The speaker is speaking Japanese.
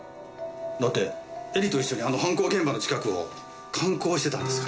だって絵里と一緒にあの犯行現場の近くを観光してたんですから。